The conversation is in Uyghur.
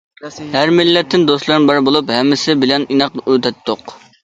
ھەر مىللەتتىن دوستلىرىم بار بولۇپ، ھەممىسى بىلەن ئىناق ئۆتەتتۇق.